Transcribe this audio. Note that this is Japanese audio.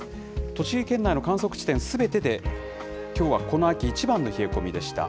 栃木県内の観測地点すべてで、きょうはこの秋一番の冷え込みでした。